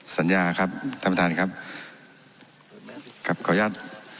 สัญญาครับท่านประธานครับครับขออนุญาต